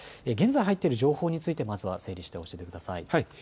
現在、入っている情報についてまずは整理して教えてください。